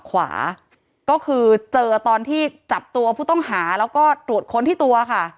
ขวาก็คือเจอตอนที่จับตัวผู้ต้องหาแล้วก็ตรวจค้นที่ตัวค่ะ